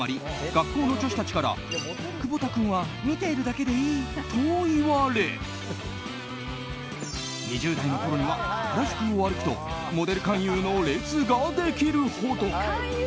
学校の女子たちから久保田君は見ているだけでいいと言われ２０代のころには原宿を歩くとモデル勧誘の列ができるほど。